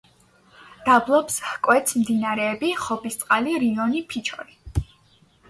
დაბლობს ჰკვეთს მდინარეები: ხობისწყალი, რიონი, ფიჩორი.